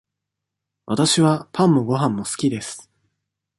わたしはパンもごはんも好きです。